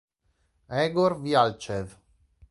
Egor Vjal'cev